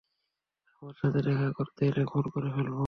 আমার সাথে দেখা করতে এলে খুন করে ফেলব।